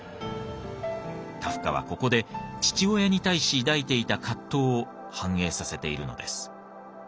カフカはここで父親に対し抱いていた葛藤を反映させているのです。